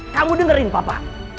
kamu dengerin papa